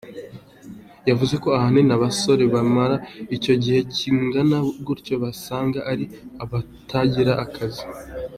Yavuze ko ahanini abasore bamara icyo gihe kingana gutyo usanga ari abatagira akazi.